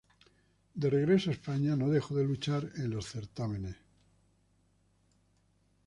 De regreso a España, no dejó de luchar en los certámenes.